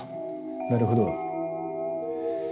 なるほど。